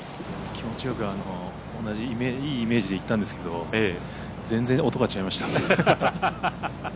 気持ちよくいいイメージでいったんですけど全然音が違いましたね。